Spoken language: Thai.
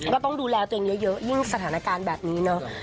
ก็ต้องดูแลตัวเองเยอะยิ่งสถานการณ์แบบนี้เนอะ